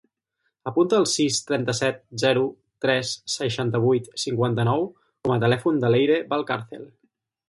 Apunta el sis, trenta-set, zero, tres, seixanta-vuit, cinquanta-nou com a telèfon de l'Eire Valcarcel.